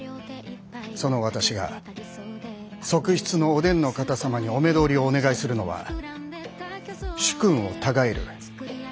その私が側室のお伝の方様にお目通りをお願いするのは主君をたがえる。